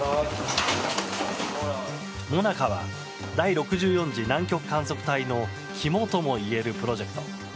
ＭＯＮＡＣＡは第６４次南極観測隊の肝ともいえるプロジェクト。